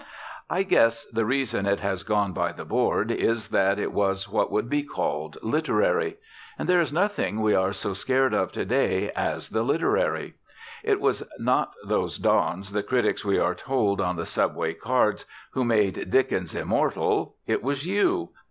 I guess the reason it has gone by the board is that it was what would be called "literary." And there is nothing we are so scared of to day as the literary. It was not those dons the critics, we are told on the subway cards, who made Dickens immortal it was YOU.